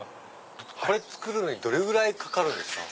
これ作るのにどれぐらいかかるんですか？